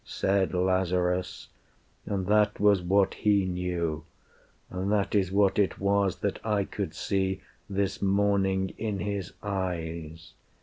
Said Lazarus; "and that was what He knew; And that is what it was that I could see This morning in his eyes.